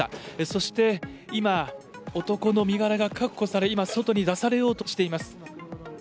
そして、今、男の身柄が確保され、今、外に出されようとしています。